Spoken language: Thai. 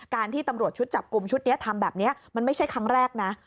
ที่ตำรวจชุดจับกลุ่มชุดนี้ทำแบบนี้มันไม่ใช่ครั้งแรกนะ